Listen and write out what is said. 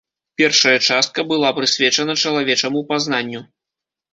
Першая частка была прысвечана чалавечаму пазнанню.